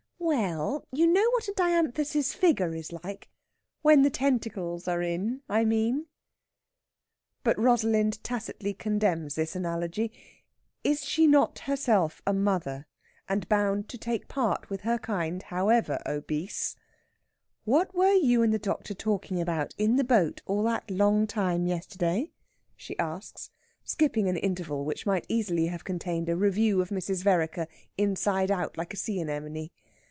We ell, you know what a dianthus's figure is like? When the tentacles are in, I mean." But Rosalind tacitly condemns the analogy. Is she not herself a mother, and bound to take part with her kind, however obese? "What were you and the doctor talking about in the boat all that long time yesterday?" she asks, skipping an interval which might easily have contained a review of Mrs. Vereker inside out like a sea anemone.